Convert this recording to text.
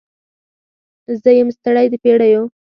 زه یم ستړې د پیړیو